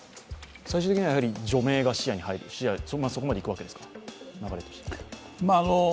最終的には除名が視野に入る、そこまでいくわけですか。